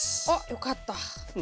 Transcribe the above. あっよかった。